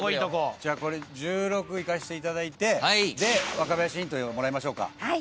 じゃあ１６いかせていただいて若林ヒントもらいましょうか。